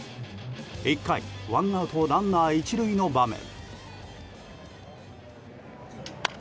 １回ワンアウトランナー１塁の場面。